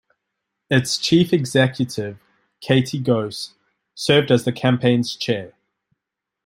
Its Chief Executive, Katie Ghose, served as the campaign's chair.